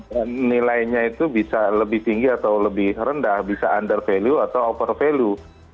dan nilainya itu bisa lebih tinggi atau lebih rendah bisa under value atau over value